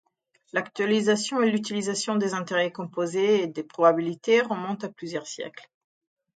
L'actualisation et l'utilisation des intérêts composés et des probabilités remontent à plusieurs siècles.